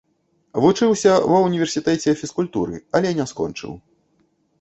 Вучыўся ва ўніверсітэце фізкультуры, але не скончыў.